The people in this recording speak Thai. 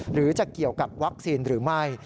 หรือจะเกี่ยวกับวัคซีนหรือไม่